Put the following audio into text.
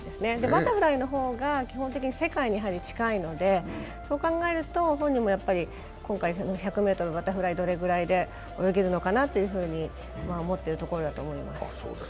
バタフライの方が基本的に世界に近いので、そう考えると、本人も今回１００ｍバタフライ、どれくらいで泳げるのかなと思っているところだと思います。